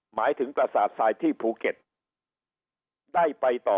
หมายถึงประสาททรายที่ภูเก็ตได้ไปต่อ